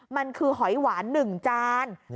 มันคือหอยหวาน๑จาน